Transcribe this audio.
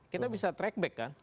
kita bisa track back kan